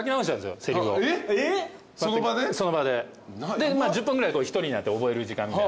で１０分ぐらい一人になって覚える時間。